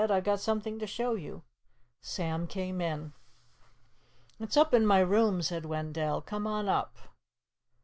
"I've got something to show you." Sam came in. "It's up in my room," said Wendell. "Come on up."